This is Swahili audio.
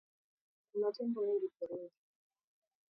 Kuna tembo wengi porini.